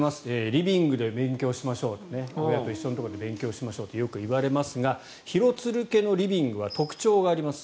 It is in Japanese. リビングで勉強しましょう親と一緒のところで勉強しましょうとよく言われますが廣津留家のリビングは特徴があります。